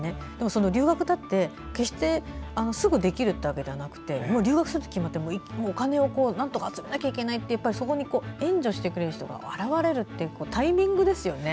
その留学だって決してすぐできるというわけじゃなくて留学すると決まってもお金を集めなければいけないとなって援助してくれる人が現れるというタイミングですよね。